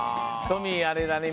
トミーあれだね